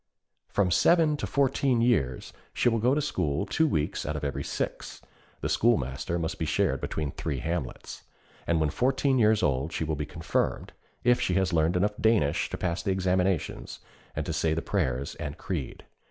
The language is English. From seven to fourteen years she will go to school two weeks out of every six (the schoolmaster must be shared between three hamlets), and when fourteen years old, she will be confirmed, if she has learned enough Danish to pass the examinations and to say the prayers and creed.